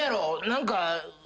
何か。